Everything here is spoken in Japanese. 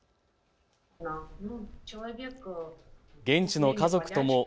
現地の家族とも